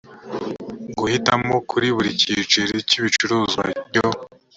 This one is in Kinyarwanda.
guhitamo kuri buri cyiciro cy ibicuruzwa byo